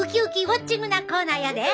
ウォッチングなコーナーやで！